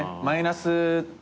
マイナス。